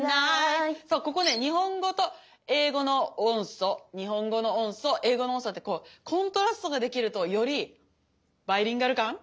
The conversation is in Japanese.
そうここね日本語と英語の音素日本語の音素英語の音素ってこうコントラストができるとよりバイリンガル感？